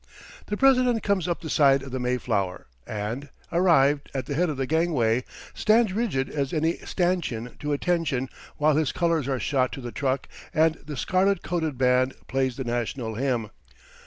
The President comes up the side of the Mayflower and, arrived at the head of the gangway, stands rigid as any stanchion to attention while his colors are shot to the truck and the scarlet coated band plays the national hymn.